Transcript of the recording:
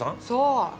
そう。